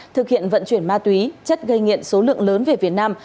thực hiện vận chuyển ma túy chất gây nghiện số lượng lớn về việt nam